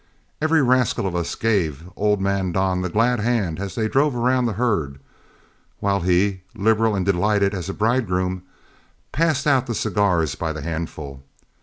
Every rascal of us gave old man Don the glad hand as they drove around the herd, while he, liberal and delighted as a bridegroom, passed out the cigars by the handful.